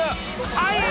はい！